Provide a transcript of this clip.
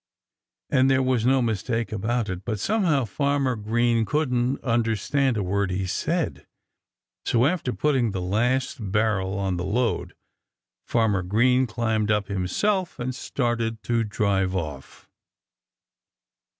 And there was no mistake about it. But somehow Farmer Green couldn't understand a word he said. So after putting the last barrel on the load Farmer Green climbed up himself and started to drive off.